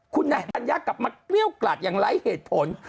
คุณนายธัญญากลับมาเกลี้ยวกลาดอย่างไร้เหตุผล